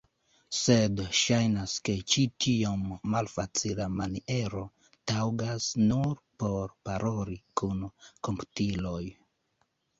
Sed, ŝajnas, ke ĉi tiom malfacila maniero taŭgas nur por paroli kun komputiloj.